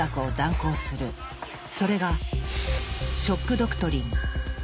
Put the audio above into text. それが「ショック・ドクトリン」。